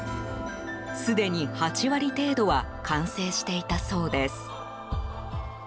すでに８割程度は完成していたそうです。